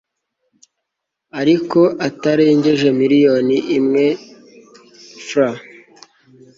ariko atarengeje miliyoni imwe frw